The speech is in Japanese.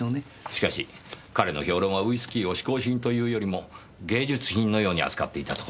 しかし彼の評論はウイスキーを嗜好品というよりも芸術品のように扱っていたところがありましたねぇ。